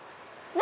何？